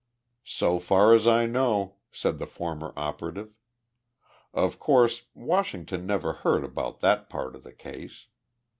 "So far as I know," said the former operative. "Of course, Washington never heard about that part of the case.